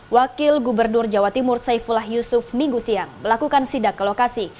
wakil gubernur jawa timur saifullah yusuf minggu siang melakukan sidak ke lokasi